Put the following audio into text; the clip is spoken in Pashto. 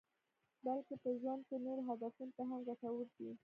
بلکې په ژوند کې نورو هدفونو ته هم ګټور دي.